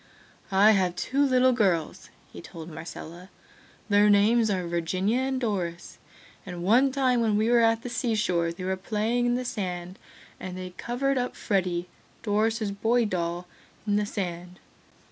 "I have two little girls," he told Marcella. "Their names are Virginia and Doris, and one time when we were at the sea shore they were playing in the sand and they covered up Freddy, Doris' boy doll in the sand.